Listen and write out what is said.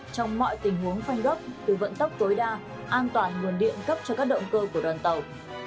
trong mọi tình huống phanh gấp từ vận tốc tối đa an toàn nguồn điện cấp cho các động cơ của đoàn tàu